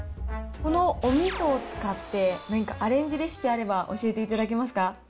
このおみそを使って、何かアレンジレシピあれば、教えていただけますか。